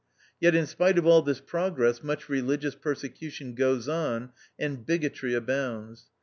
Yet in spite of all this progress much religious persecution goes on, and bigotry abounds.